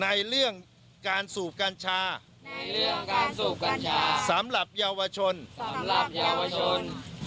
ในเรื่องการสูบกัญชาในเรื่องการสูบกัญชาสำหรับเยาวชนสำหรับเยาวชน